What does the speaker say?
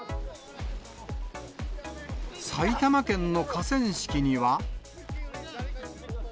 埼玉県の河川敷には。